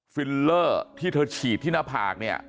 ฟิลเลอร์ที่เธอฉีดที่หน้าผากเนี่ย